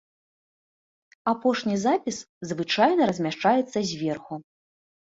Апошні запіс звычайна размяшчаецца зверху.